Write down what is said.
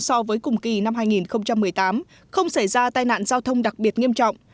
so với cùng kỳ năm hai nghìn một mươi tám không xảy ra tai nạn giao thông đặc biệt nghiêm trọng